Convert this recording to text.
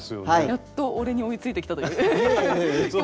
やっと俺に追いついてきたという気持ちですよね？